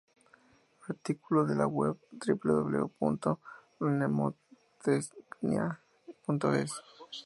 Artículo de la web www.mnemotecnia.es